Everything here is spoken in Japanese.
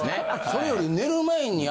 それより。